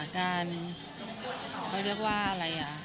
การเขาเรียกว่าอะไรอ่ะ